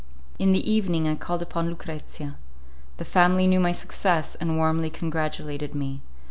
In the evening I called upon Lucrezia. The family knew my success, and warmly congratulated me.